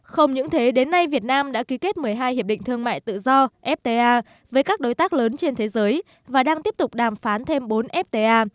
không những thế đến nay việt nam đã ký kết một mươi hai hiệp định thương mại tự do fta với các đối tác lớn trên thế giới và đang tiếp tục đàm phán thêm bốn fta